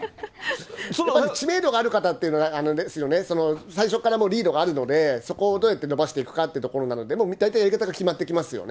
知名度がある方というのは、あれですよね、最初からもう、リードがあるので、そこをどうやって伸ばしていくかということなので、もう大体やり方が決まってきますよね。